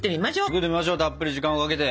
作ってみましょうたっぷり時間をかけて。